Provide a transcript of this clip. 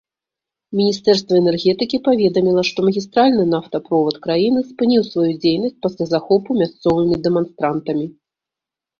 Міністэрства энергетыкі паведаміла, што магістральны нафтаправод краіны спыніў сваю дзейнасць пасля захопу мясцовымі дэманстрантамі.